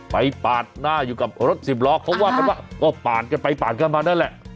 ไปปาดหน้าอยู่กับรถสิบล็อกเพราะว่าก็ปาดกันไปปาดขึ้นมานั่นแหละ